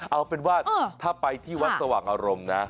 เอาเป็นว่าถ้าไปที่วัดสว่างอารมณ์นะ